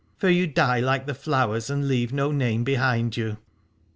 for you die like the flowers and leave no name behind you.